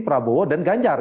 prabowo dan ganjar